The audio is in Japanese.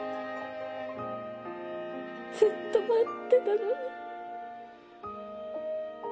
ずっと待ってたのに。